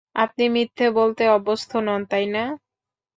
আপনি মিথ্যে বলতে অভ্যস্ত নন, তাই না?